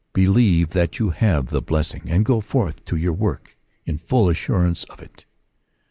Believe that you have the blessing, and go forth to your work in full assurance of it.